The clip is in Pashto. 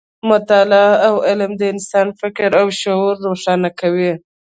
مطالعه او علم د انسان فکر او شعور روښانه کوي.